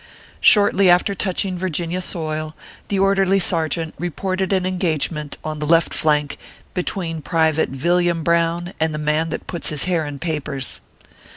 Shortly after touching Virginia* soil, the orderly sergeant reported an engagement, on the left flank, between private Yilliam Brown and the man that puts his hair in papers.